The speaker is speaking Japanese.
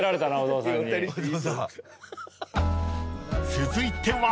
［続いては］